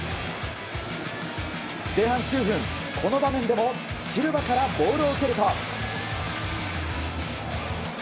前半９分、この場面でもシルバからボールを蹴ると。